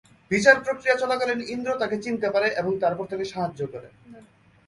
বিচার প্রক্রিয়া চলাকালীন ইন্দ্র তাকে চিনতে পারে এবং তারপর তাকে সাহায্য করে।